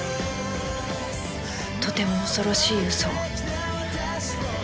とても恐ろしい嘘を